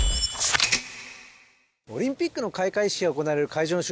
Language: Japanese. オリンピックの開会式が行われる会場